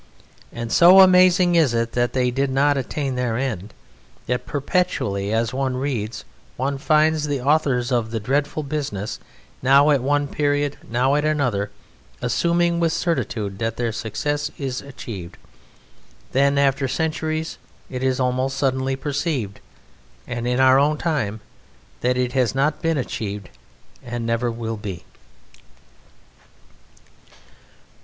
And so amazing is it that they did not attain their end, that perpetually as one reads one finds the authors of the dreadful business now at one period, now at another, assuming with certitude that their success is achieved. Then, after centuries, it is almost suddenly perceived and in our own time that it has not been achieved and never will be.